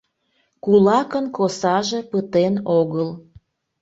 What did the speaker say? Кулакын косаже пытен огыл.